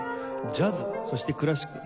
ジャズそしてクラシック。